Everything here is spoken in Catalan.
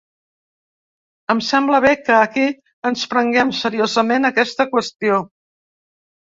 Em sembla bé que aquí ens prenguem seriosament aquesta qüestió.